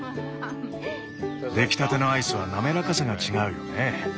出来たてのアイスはなめらかさが違うよね。